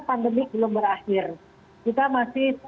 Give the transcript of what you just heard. pandemi belum berakhir kita masih